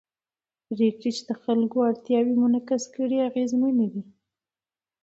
پرېکړې چې د خلکو اړتیاوې منعکس کړي اغېزمنې دي